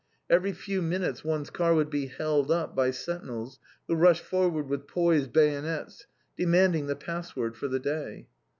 Every five minutes one's car would be held up by sentinels who rushed forward with poised bayonets, demanding the password for the day.